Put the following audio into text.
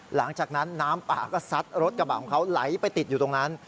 หลังจากนั้นน้ำป่าก็ซัดรถกระบาดของเขาไหลไปติดอยู่ตรงนั้น